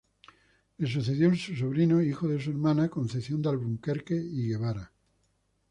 Le sucedió su sobrino hijo de su hermana Concepción de Alburquerque y Guevara.